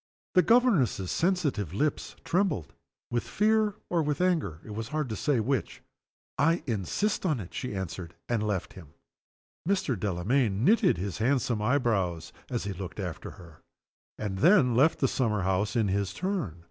The governess's sensitive lips trembled, with fear or with anger, it was hard to say which. "I insist on it!" she answered, and left him. Mr. Delamayn knitted his handsome eyebrows as he looked after her, and then left the summer house in his turn.